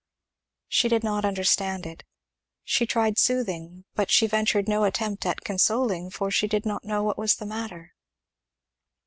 She did not understand it. She tried soothing, but she ventured no attempt at consoling, for she did not know what was the matter.